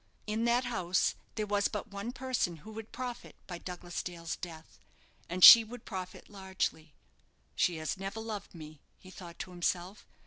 In that house there was but one person who would profit by Douglas Dale's death, and she would profit largely. "She has never loved me," he thought to himself.